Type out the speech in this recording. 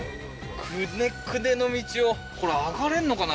クネクネの道をこれ上がれんのかな？